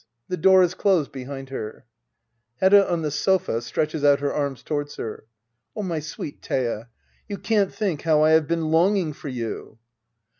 The door is closed behind her, Hedda. \0n the sofa, stretches otU her arms towards her.] My sweet Thea — you can't think how I have been longing for you